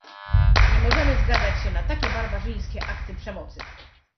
Nie możemy zgadzać się na takie barbarzyńskie akty przemocy